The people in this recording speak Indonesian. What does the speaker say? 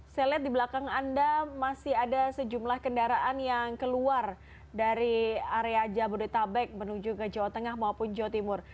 saya lihat di belakang anda masih ada sejumlah kendaraan yang keluar dari area jabodetabek menuju ke jawa tengah maupun jawa timur